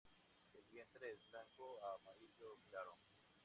El vientre es blanco a amarillo claro.